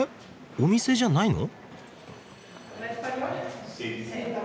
お店じゃないの？